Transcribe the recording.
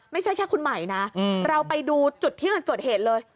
ไม่ใช่แค่คุณใหม่นะเราไปดูจุดที่มันเกิดเหตุเลย